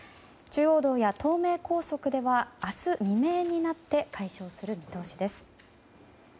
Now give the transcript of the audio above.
中央道や東名高速では明日未明になって解消する見通しです。